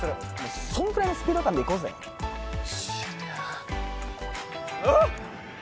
もうそんくらいのスピード感でいこうぜ修哉あっ！